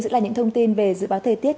sẽ là những thông tin về dự báo thời tiết